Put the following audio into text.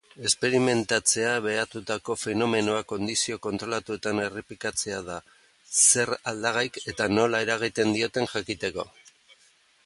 Esperimentatzea behatutako fenomenoa kondizio kontrolatuetan errepikatzea da, zer aldagaik eta nola eragiten dioten jakiteko.